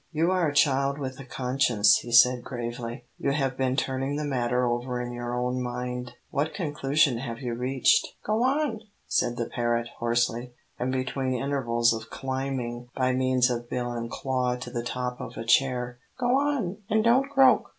"You are a child with a conscience," he said, gravely; "you have been turning the matter over in your own mind. What conclusion have you reached?" "Go on," said the parrot, hoarsely, and between intervals of climbing by means of bill and claw to the top of a chair, "go on, and don't croak.